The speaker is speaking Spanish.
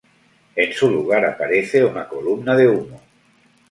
En su lugar, aparece una columna de humo.